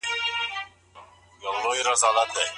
طبي قانوني څانګه څه کوي؟